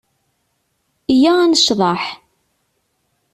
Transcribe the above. Iyya ad necḍeḥ.